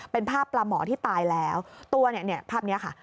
เป็นภาพปลาหมอที่ตายแล้วตัวเนี่ยภาพนี้ค่ะ